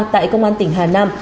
tại công an tỉnh hà nam